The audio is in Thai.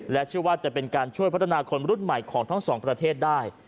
เชื่อว่าจะเป็นการช่วยพัฒนาคนรุ่นใหม่ของทั้งสองประเทศได้